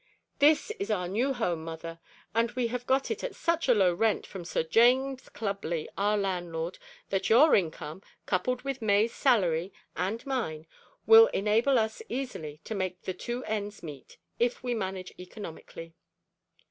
"This is our new home, mother, and we have got it at such a low rent from Sir James Clubley, our landlord, that your income, coupled with May's salary and mine, will enable us easily to make the two ends meet, if we manage economically."